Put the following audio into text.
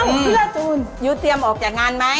พี่หล่าจูนพี่เตรียมเหาะจากงานไหม